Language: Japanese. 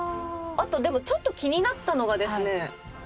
あとでもちょっと気になったのがですね